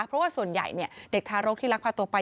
เพราะว่าส่วนใหญ่เด็กทารกที่ลักพาตัวไป